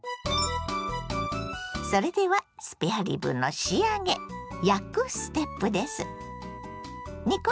それではスペアリブの仕上げ「焼く」ステップです。